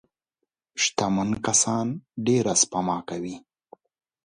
شتمن کسان ډېره سپما کوي.